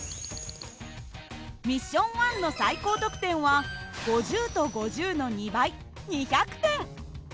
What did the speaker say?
ミッション１の最高得点は５０と５０の２倍２００点。